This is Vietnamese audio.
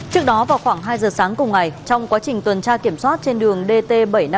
trước đó vào khoảng hai giờ sáng cùng ngày trong quá trình tuần tra kiểm soát trên đường dt bảy trăm năm mươi